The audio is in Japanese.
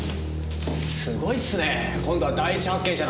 すごいっすね今度は第一発見者なんて。